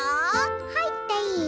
「はいっていい？」。